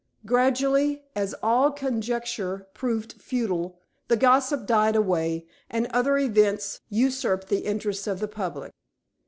Gradually, as all conjecture proved futile, the gossip died away, and other events usurped the interest of the public.